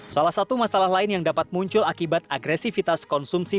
salah satu masalah lain yang dapat muncul akibat agresivitas konsumsi